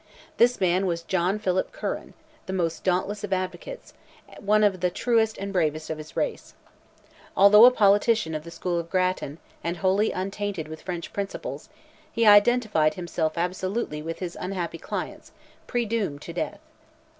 This man was John Philpot Curran, the most dauntless of advocates, one of the truest and bravest of his race. Although a politician of the school of Grattan, and wholly untainted with French principles, he identified himself absolutely with his unhappy clients, "predoomed to death."